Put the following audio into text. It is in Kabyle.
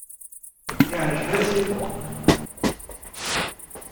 Iɛǧeb-as i Tom.